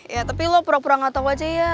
ya tapi lo pura pura ga tau aja ya